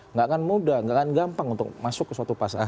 nggak akan mudah nggak akan gampang untuk masuk ke suatu pasar